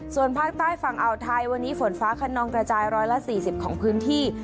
ส่วนภาคใต้ฝั่งเอาไทยวันนี้ฝนฟ้าคนองกระจายร้อยละสี่สิบของพื้นที่